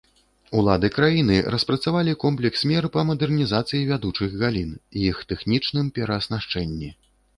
Улады краіны распрацавалі комплекс мер па мадэрнізацыі вядучых галін, іх тэхнічным перааснашчэнні.